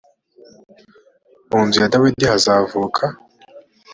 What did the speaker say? mu nzu ya dawidi hazavuka